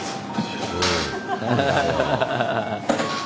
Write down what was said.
ハハハハ。